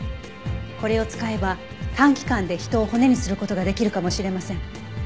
これを使えば短期間で人を骨にする事ができるかもしれません。